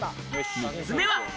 ３つ目は。